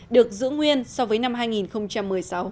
được giữ nguyên so với năm hai nghìn một mươi sáu